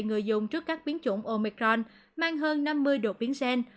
người dùng trước các biến chủng omicron mang hơn năm mươi độ biến xen